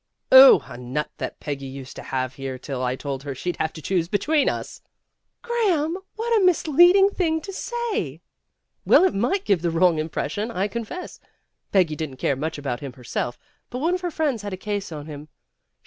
'' Oh, a nut that Peggy used to have here till I told her she'd have to choose between us." A SURPRISE 291 " Graham, what a misleading thing to say." 1 'Well, it might give the wrong impression, I confess. Peggy didn't care much about him herself, but one of her friends had a case on him."